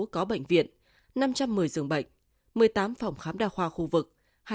có bệnh viện năm trăm một mươi dường bệnh một mươi tám phòng khám đa khoa khu vực